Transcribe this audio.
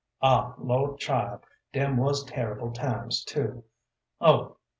Ah, Lord child, dem wuz terrible times too, oh!